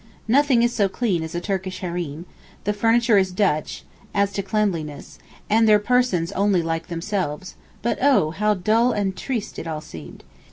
Nothing is so clean as a Turkish hareem, the furniture is Dutch as to cleanliness, and their persons only like themselves—but oh! how dull and triste it all seemed.